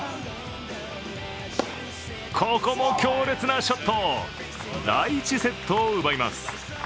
ここも強烈なショット、第１セットを奪います。